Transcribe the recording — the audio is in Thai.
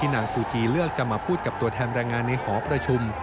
นางซูจีเลือกจะมาพูดกับตัวแทนแรงงานในหอประชุม